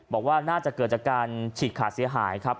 บอกว่าน่าจะเกิดจากการฉีกขาดเสียหายครับ